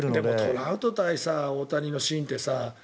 トラウト対大谷のシーンって。